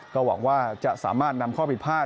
ก็หวังว่าจะสามารถนำข้อผิดพลาด